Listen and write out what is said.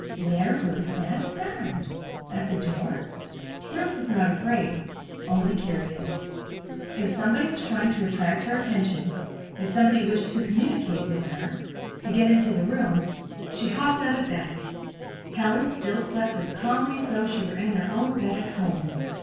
Where was that sound? At the door? Ruth was not afraid only curious. If somebody was trying to attract her attention if somebody wished to communicate with her, to get into the room She hopped out of bed. Helen still slept as calmly as though she was in her own bed at home.